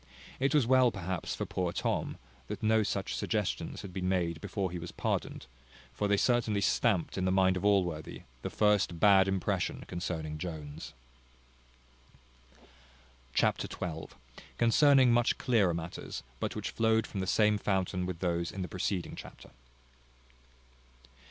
It was well perhaps for poor Tom, that no such suggestions had been made before he was pardoned; for they certainly stamped in the mind of Allworthy the first bad impression concerning Jones. Chapter xii. Containing much clearer matters; but which flowed from the same fountain with those in the preceding chapter.